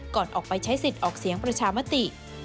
ก่อนออกไปใช้สิทธิ์ออกเสียงประชามติ